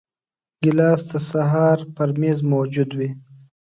ګیلاس د سهار پر میز موجود وي.